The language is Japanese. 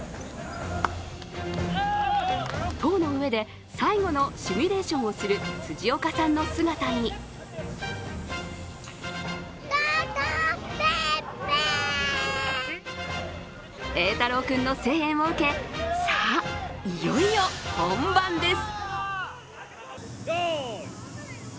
棟の上で最後のシミュレーションをする辻岡さんの姿に瑛太郎君の声援を受け、さあ、いよいよ本番です。